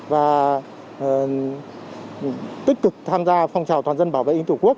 và tích cực tham gia phong trào toàn dân bảo vệ tính tổ quốc